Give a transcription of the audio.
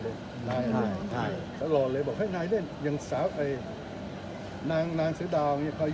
นายเลยตลอดเลยบอกให้นายเล่นอย่างสาวนางเสือดาวอย่างนี้